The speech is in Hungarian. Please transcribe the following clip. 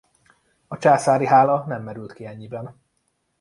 A császári hála nem merült ki ennyiben.